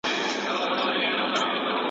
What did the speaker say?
دا سړی چي درته ځیر دی مخامخ په آیینه کي ,